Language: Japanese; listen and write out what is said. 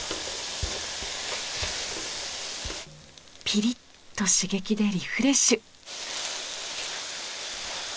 ピリッと刺激でリフレッシュ！